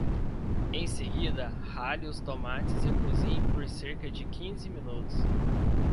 Em seguida, rale os tomates e cozinhe por cerca de quinze minutos.